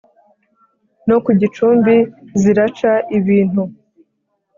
no ku gicumbi ziraca ibintu